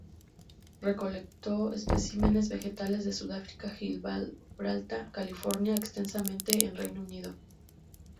Recolectó especímenes vegetales en Sudáfrica, Gibraltar, California, y extensamente en el Reino Unido.